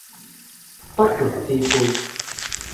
不容置喙